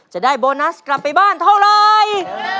จะได้โบนัสกลับไปบ้านเท่าไร